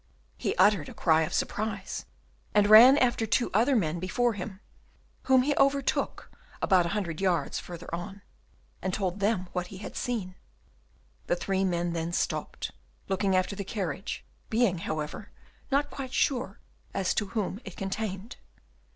He uttered a cry of surprise, and ran after two other men before him, whom he overtook about a hundred yards farther on, and told them what he had seen. The three men then stopped, looking after the carriage, being however not yet quite sure as to whom it contained.